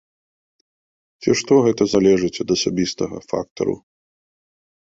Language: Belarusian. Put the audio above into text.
Ці што гэта залежыць ад асабістага фактару.